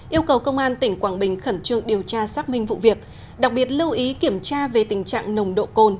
yêu cầu công an tỉnh quảng bình khẩn trương điều tra xác minh vụ việc đặc biệt lưu ý kiểm tra về tình trạng nồng độ cồn